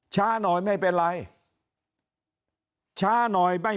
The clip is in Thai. ช้าหน่อยไม่เป็นไร